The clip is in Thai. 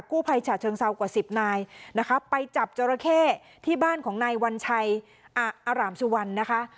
ภัยฉะเชิงเซากว่าสิบนายนะคะไปจับจราเข้ที่บ้านของนายวัญชัยอารามสุวรรณนะคะ